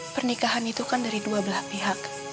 pernikahan itu kan dari dua belah pihak